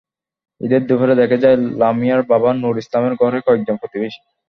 ঈদের দুপুরে দেখা যায়, লামিয়ার বাবা নূর ইসলামের ঘরে কয়েকজন প্রতিবেশী।